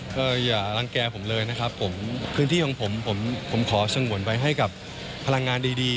ก็อย่ารังแก่ผมเลยนะครับผมพื้นที่ของผมผมขอสงวนไว้ให้กับพลังงานดีดี